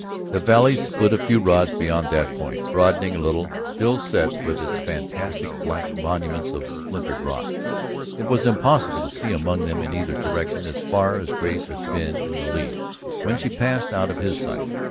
The valley split a few rods beyond that point, broadening a little, still set with its fantastic black monuments of splintered rock. It was impossible to see among them in either direction as far as Grace had been in the lead when she passed out of his sight.